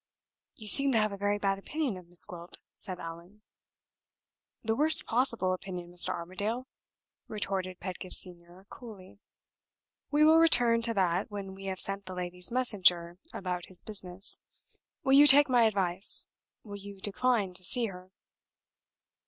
"You seem to have a very bad opinion of Miss Gwilt," said Allan. "The worst possible opinion, Mr. Armadale," retorted Pedgift Senior, coolly. "We will return to that when we have sent the lady's messenger about his business. Will you take my advice? Will you decline to see her?"